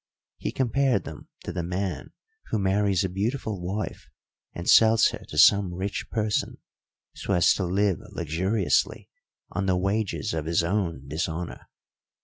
He compared them to the man who marries a beautiful wife and sells her to some rich person so as to live luxuriously on the wages of his own dishonour.